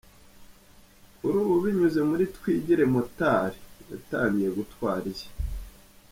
Kuri ubu binyuze muri Twigire motari, yatangiye gutwara iye.